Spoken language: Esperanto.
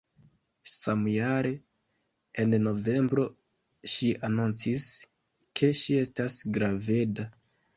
Samjare, en novembro ŝi anoncis, ke ŝi estas graveda.